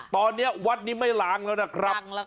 ตอนนี้วัดนี้ไม่ล้างแล้วนะครับ